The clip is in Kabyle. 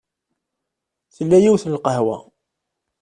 Tella yiwet n lqahwa.